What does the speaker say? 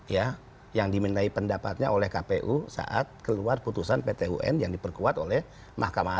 ya yang dimintai pendapatnya oleh kpu saat keluar putusan pt un yang diperkuat oleh mahkamah agung